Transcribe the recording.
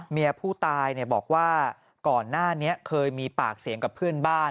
เมียผู้ตายบอกว่าก่อนหน้านี้เคยมีปากเสียงกับเพื่อนบ้าน